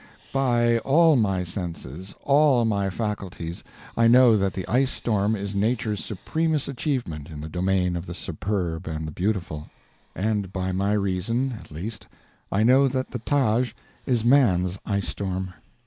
By all my senses, all my faculties, I know that the icestorm is Nature's supremest achievement in the domain of the superb and the beautiful; and by my reason, at least, I know that the Taj is man's ice storm.